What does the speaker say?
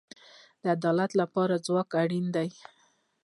د عدالت لپاره څوک اړین دی؟